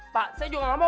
pak saya juga mau